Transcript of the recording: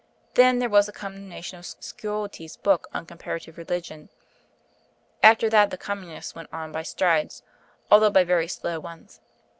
Then there was the condemnation of Sciotti's book on Comparative Religion.... After that the Communists went on by strides, although by very slow ones.